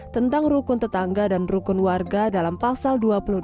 tentang rukun tetangga dan rukun warga dalam pasal dua puluh delapan